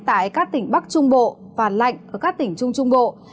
tại các tỉnh bắc trung bộ và lạnh ở các tỉnh trung trung bộ